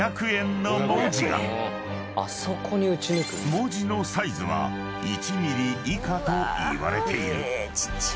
［文字のサイズは１ｍｍ以下といわれている］